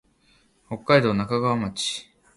北海道中川町